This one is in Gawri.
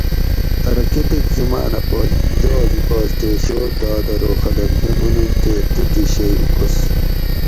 ارو کۤتیک زُمانہ پت جاز اُکاس تے شوٹ داد ارو خلق یہ منش تے تتھی شئی اُوکس